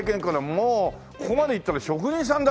もうここまでいったら職人さんだね。